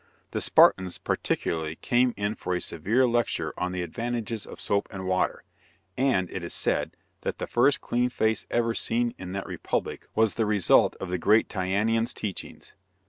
The Spartans, particularly, came in for a severe lecture on the advantages of soap and water; and, it is said, that the first clean face ever seen in that republic was the result of the great Tyanean's teachings.